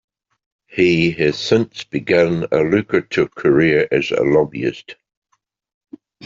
He has since begun a lucrative career as a lobbyist.